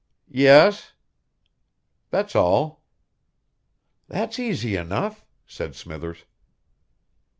"Yes." "That's all." "That's easy enough," said Smithers.